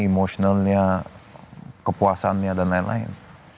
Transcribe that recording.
emosionalnya kepuasannya dan lain lain